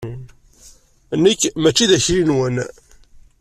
Nekk mačči d akli-nwen.